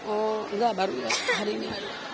oh enggak baru hari ini